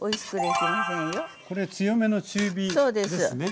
これ強めの中火ですね。